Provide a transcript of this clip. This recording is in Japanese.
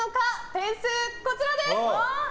点数、こちらです！